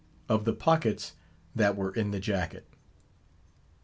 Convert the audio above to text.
OF THE POCKETS THAT WERE IN THE JACKET.